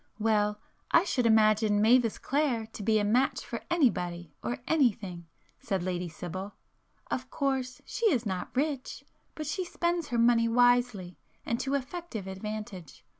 "Well, I should imagine Mavis Clare to be a match for anybody or anything,"—said Lady Sibyl—"Of course she is not rich,—but she spends her money wisely and to effective advantage.